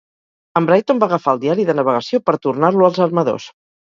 En Brighton va agafar el diari de navegació per tornar-lo als armadors.